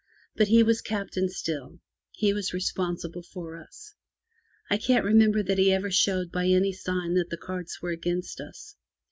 But he was Captain still; he was responsible for us. I can't remember that he ever showed by any sign that the cards were against us.